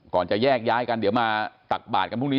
จะแยกย้ายกันเดี๋ยวมาตักบาทกันพรุ่งนี้